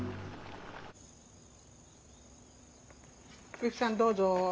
小雪さんどうぞ。